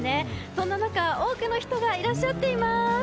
そんな中、多くの人がいらっしゃっています。